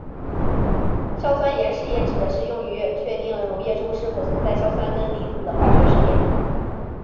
硝酸盐试验指的是用于确定溶液中是否存在硝酸根离子的化学测试。